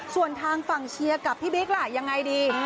ส่วนทางฝั่งเชียร์กับพี่บิ๊กล่ะยังไงดี